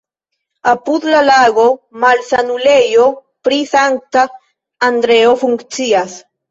Apud la lago malsanulejo pri Sankta Andreo funkcias.